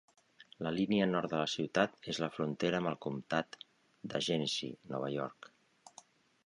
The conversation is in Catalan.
La línia nord de la ciutat és la frontera amb el comtat de Genesee, Nova York.